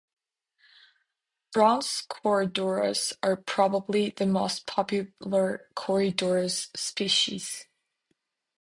Bronze corydoras are probably the most popular "Corydoras" species.